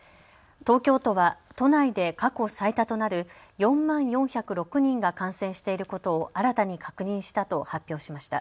東京都は都内で過去最多となる４万４０６人が感染していることを新たに確認したと発表しました。